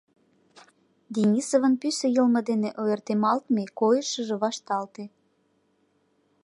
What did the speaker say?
Денисовын пӱсӧ йылме дене ойыртемалтме койышыжо вашталте.